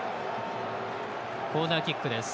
コーナーキックです。